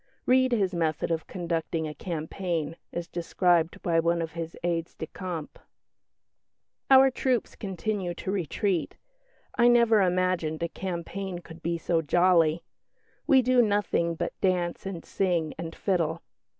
Read his method of conducting a campaign, as described by one of his aides de camp "Our troops continue to retreat I never imagined a campaign could be so jolly. We do nothing but dance and sing and fiddle.